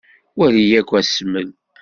Wali akk asmel.